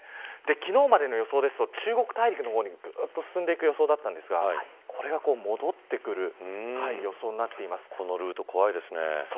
昨日までの予想だと中国大陸の方に進んでいく予想だったんですがこれが戻ってくるこのルート怖いですね。